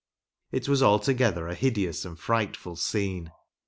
It was altogether a hideous and frightful scene.